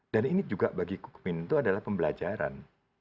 dan ini juga bagi bukopin itu adalah pembelajaran